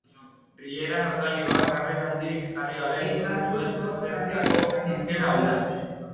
Riera notarioak arreta handirik jarri gabe entzuten zuen zezelkako hizketa hura.